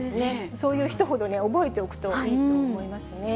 そういう人ほど覚えておくといいと思いますね。